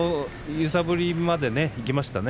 揺さぶりまでいきましたね